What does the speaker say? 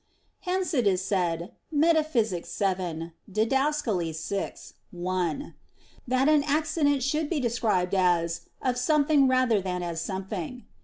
Hence it is said Metaph. vii, Did. vi, 1 that an accident should be described as "of something rather than as something."